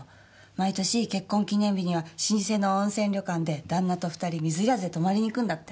毎年結婚記念日には老舗の温泉旅館で旦那と２人水入らずで泊まりに行くんだって。